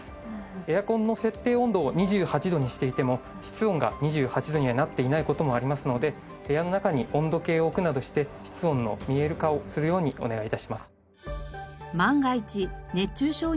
エアコンの設定温度を２８度にしていても室温が２８度にはなっていない事もありますので部屋の中に温度計を置くなどして室温の「見える化」をするようにお願い致します。